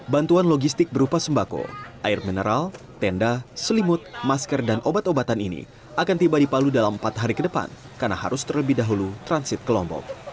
bantuan logistik berupa sembako air mineral tenda selimut masker dan obat obatan ini akan tiba di palu dalam empat hari ke depan karena harus terlebih dahulu transit ke lombok